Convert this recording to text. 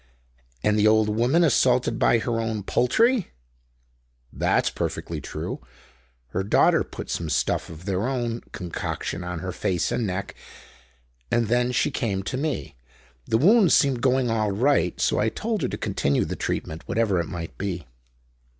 "And the old woman assaulted by her own poultry?" "That's perfectly true. Her daughter put some stuff of their own concoction on her face and neck, and then she came to me. The wounds seemed going all right, so I told her to continue the treatment, whatever it might be."